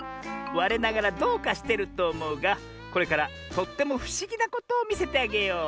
われながらどうかしてるとおもうがこれからとってもふしぎなことをみせてあげよう。